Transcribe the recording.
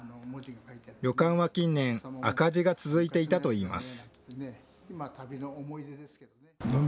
旅館は近年、赤字が続いていたといいます。